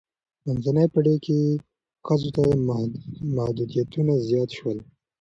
منځنۍ پیړۍ کې ښځو ته محدودیتونه زیات شول.